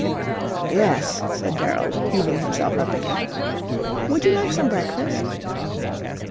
"Yes," said Gerald, heaving himself up again. "Would you like some breakfast?"